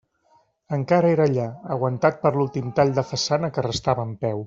Encara era allà, aguantat per l'últim tall de façana que restava en peu.